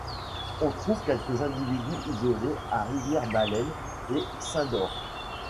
On trouve quelques individus isolés à Rivière Baleine et Saint d'Or.